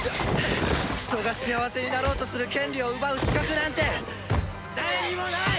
人が幸せになろうとする権利を奪う資格なんて誰にもない！